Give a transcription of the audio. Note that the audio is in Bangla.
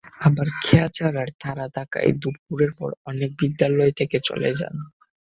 আবার খেয়া ছাড়ার তাড়া থাকায় দুপুরের পরপর অনেকে বিদ্যালয় থেকে চলে যান।